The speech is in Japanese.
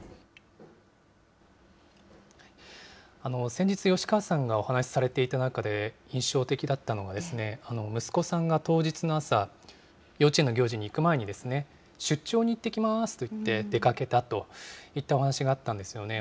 先日、吉川さんがお話しされていた中で、印象的だったのが、息子さんが当日の朝、幼稚園の行事に行く前に、出張に行ってきますと言って出かけたといったお話があったんですよね。